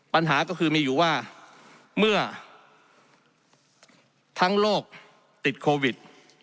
ปัญหาก็คือมีอยู่ว่าเมื่อทั้งโลกติดโควิด